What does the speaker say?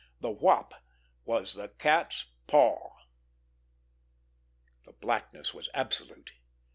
The Wop was the cat's paw! The blackness was absolute.